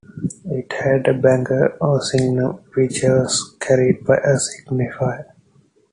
It had a banner or signum which was carried by a" Signifer".